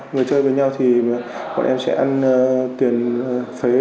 người chơi với nhau thì bọn em sẽ ăn tiền thuế